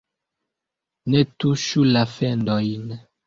Ne tuŝu la fendojn